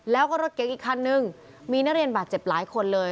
แล้วก็รถเก๋งอีกคันนึงมีนักเรียนบาดเจ็บหลายคนเลย